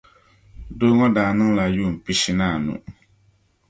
Doo ŋɔ daa niŋla yuun' pishi ni anu.